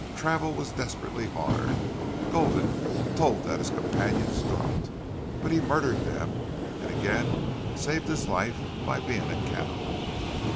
Travel was desperately hard. Gulden told that his companions dropped. But he murdered them and again saved his life by being a cannibal.